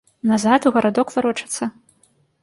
Назад, у гарадок варочацца?